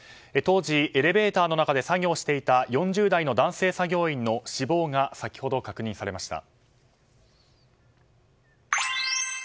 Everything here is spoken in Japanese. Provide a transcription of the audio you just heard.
当時エレベーターの中で作業していた４０代の男性作業員の死亡が先ほど確認されました。